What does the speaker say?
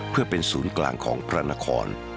เพื่อเป็นศูนย์กลางของพระนคร